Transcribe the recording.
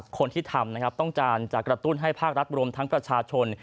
คนที่ทำนะครับต้องการจะกระตุ้นให้ภาครัฐรวมทั้งประชาชน